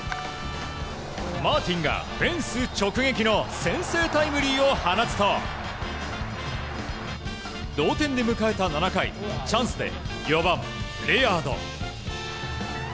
マーティンがフェンス直撃の先制タイムリーを放つと同点で迎えた７回チャンスで４番、レアード。